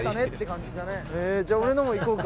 じゃあ俺のもいこうか。